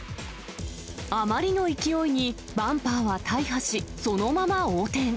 あまりの勢いにバンパーは大破し、そのまま横転。